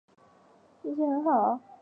运气很好